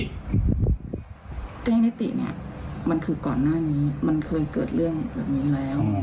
แจ้งนิติเนี่ยมันคือก่อนหน้านี้มันเคยเกิดเรื่องแบบนี้แล้ว